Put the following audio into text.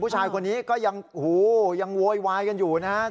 ผู้ชายคนนี้ก็ยังโวยวายกันอยู่นะครับ